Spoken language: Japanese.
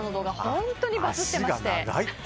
本当にバズってまして。